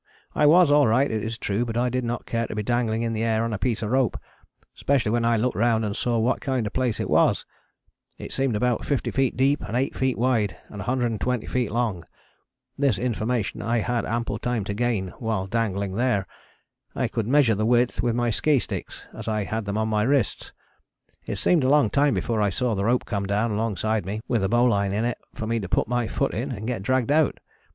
I was all right it is true, but I did not care to be dangling in the air on a piece of rope, especially when I looked round and saw what kind of a place it was. It seemed about 50 feet deep and 8 feet wide, and 120 feet long. This information I had ample time to gain while dangling there. I could measure the width with my ski sticks, as I had them on my wrists. It seemed a long time before I saw the rope come down alongside me with a bowline in it for me to put my foot in and get dragged out.